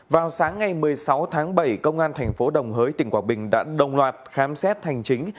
vào sáng ngày một mươi sáu tháng bảy công an thành phố đồng hới tỉnh quảng bình đã đồng loạt khám xét hành chính